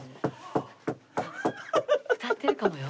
歌ってるかもよ。